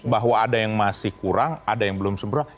bahwa ada yang masih kurang ada yang belum sembroh